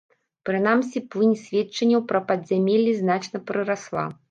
Прынамсі, плынь сведчанняў пра падзямеллі значна прырасла.